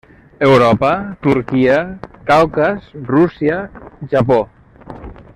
Europa, Turquia, Caucas, Rússia, Japó.